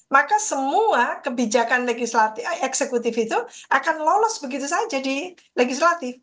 maka semua kebijakan eksekutif itu akan lolos begitu saja di legislatif